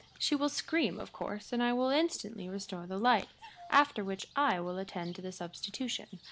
She will scream, of course, and I will instantly restore the light, after which I will attend to the substitution.